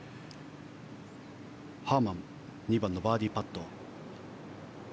ハーマン２番のバーディーパット。